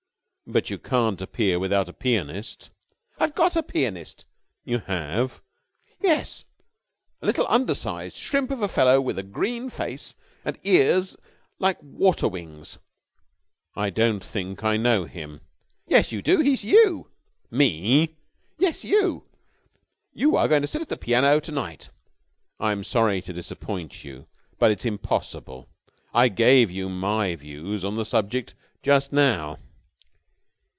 "But you can't appear without a pianist." "I've got a pianist." "You have?" "Yes. A little undersized shrimp of a fellow with a green face and ears like water wings." "I don't think I know him." "Yes, you do. He's you!" "Me!" "Yes, you. You are going to sit at the piano to night." "I'm sorry to disappoint you, but it's impossible. I gave you my views on the subject just now."